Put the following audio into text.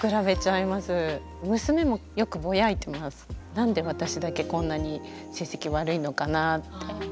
なんで私だけこんなに成績悪いのかなって。